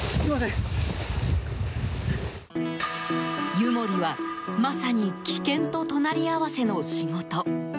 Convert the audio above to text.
湯守は、まさに危険と隣り合わせの仕事。